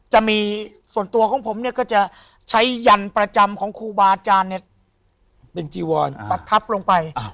หัวของผมเนี่ยก็จะใช้หยั่นประจำของครูบาอาจารย์เนี่ยเป็นจิวอร์ดตัดทับลงไปอ่า